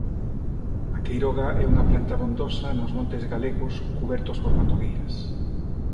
A queiroga é unha planta abondosa nos montes galegos cubertos por matogueiras.